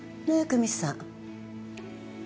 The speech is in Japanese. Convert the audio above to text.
久美さん。